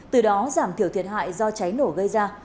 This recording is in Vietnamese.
từ đó giảm thiểu thiệt hại do cháy nổ gây ra